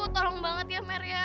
tolong banget ya mer ya